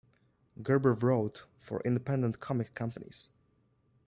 Gerber wrote for independent comic companies.